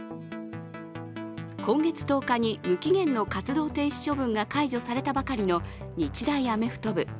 今月１０日に無期限の活動停止処分が解除されたばかりの日大アメフト部。